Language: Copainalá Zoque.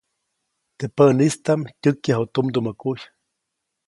Teʼ päʼnistaʼm tyäkyaju tumdumä kuy.